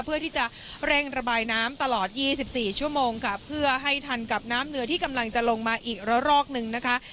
เพื่อที่จะเร่งระบายน้ำตลอด๒๔ชั่วโมงค่ะเพื่อให้ทันกับน้ำเหนือที่กำลังจะลงมาอีกระรอกนึงนะคะ